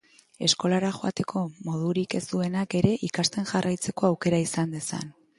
Eskolara joateko modurik ez duenak ere ikasten jarraitzeko aukera izan dezan.